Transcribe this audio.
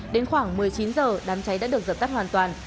đến khoảng một mươi chín h đám cháy đã được dập tắt hoàn toàn